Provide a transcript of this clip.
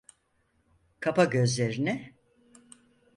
Kapa gözlerini.